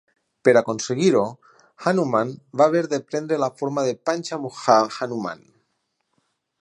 Per aconseguir-ho, Hanuman va haver de prendre la forma de Panchamukha Hanuman.